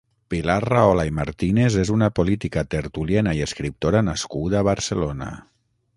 Pilar Rahola i Martínez és una política, tertuliana i escriptora nascuda a Barcelona.